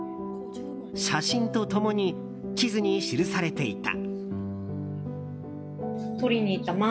写真とともに地図に記されていた。